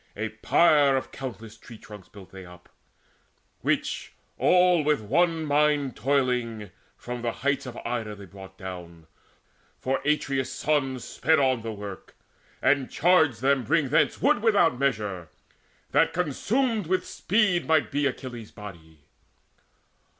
A pyre of countless tree trunks built they up Which, all with one mind toiling, from the heights Of Ida they brought down; for Atreus' sons Sped on the work, and charged them to bring thence Wood without measure, that consumed with speed Might be Achilles' body.